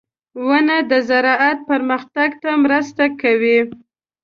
• ونه د زراعت پرمختګ ته مرسته کوي.